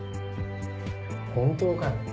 本当かよ。